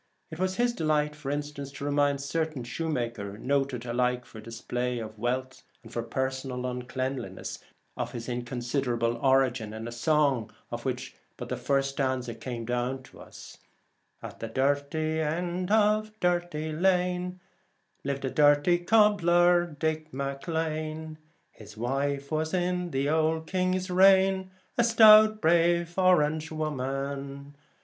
It was his delight, for instance, to remind a certain shoemaker, noted alike for display of wealth and for personal uncleanness, of his inconsiderable origin in a song of which but the first stanza has come down to us : At the dirty end of Dirty Lane, Liv'd a dirty cobbler, Dick Maclane ; His wife was in the old king's reign A stout brave orange woman.